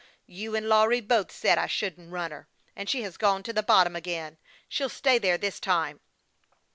You and Lawry both said I shouldn't run her and she has gone to the bottom again ; she'll stay there this time."